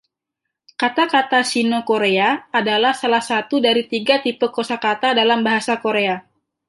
Kata-kata Sino-Korea adalah salah satu dari tiga tipe kosa kata dalam Bahasa Korea.